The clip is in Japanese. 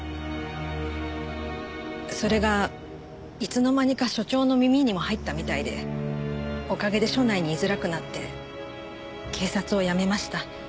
それがいつの間にか署長の耳にも入ったみたいでおかげで署内に居づらくなって警察を辞めました。